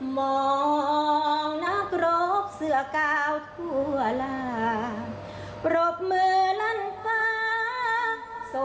มองนักรบเสื้อกาวทั่วลาปรบมือลั่นฟ้า